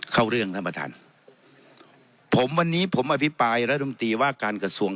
เข้าเรื่องท่านประธานผมวันนี้ผมอภิปรายรัฐมนตรีว่าการกระทรวง